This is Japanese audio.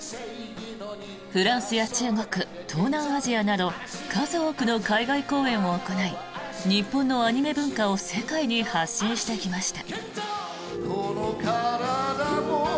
フランスや中国、東南アジアなど数多くの海外公演を行い日本のアニメ文化を世界に発信してきました。